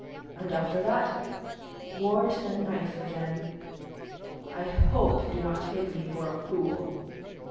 "And after that?" "War to the knife again!" "I hope you do not take me for a fool."